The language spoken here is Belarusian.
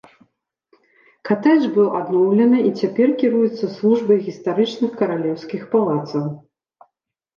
Катэдж быў адноўлены і цяпер кіруецца службай гістарычных каралеўскіх палацаў.